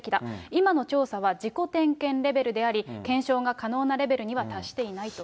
今の調査は自己点検レベルであり、検証が可能なレベルには達していないと。